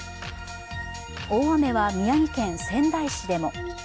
大雨は宮城県仙台市でも。